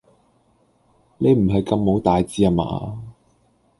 你唔係咁冇大志呀嘛？